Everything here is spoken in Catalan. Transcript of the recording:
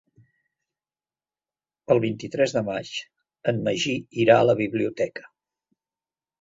El vint-i-tres de maig en Magí irà a la biblioteca.